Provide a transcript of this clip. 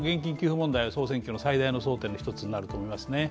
問題は総選挙の最大の争点の１つになると思いますね。